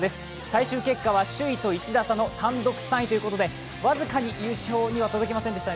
最終結果は首位と１打差の単独３位ということで僅かに優勝には届きませんでした。